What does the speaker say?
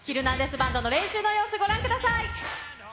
バンドの練習の様子、ご覧ください。